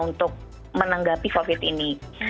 untuk menanggapi covid ini